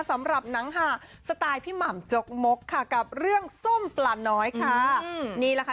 สำหรับหนังหาสไตล์พี่หม่ำจกมกค่ะกับเรื่องส้มปลาน้อยค่ะนี่แหละค่ะ